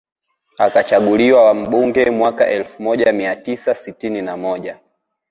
Akachaguliwa mbunge mwaka elfu moja mia tisa sitini na moja